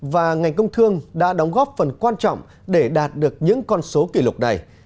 và ngành công thương đã đóng góp phần quan trọng để đạt được những con số kỷ lục này